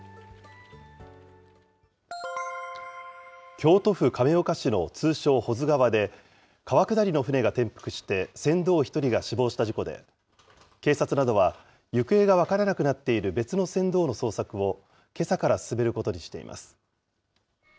京都府亀岡市の通称、保津川で、川下りの舟が転覆して船頭１人が死亡した事故で、警察などは、行方が分からなくなっている別の船頭の捜索を、けさから進めることにしています。